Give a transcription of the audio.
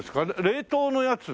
冷凍のやつ？